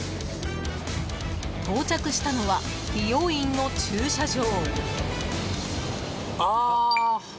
到着したのは美容院の駐車場。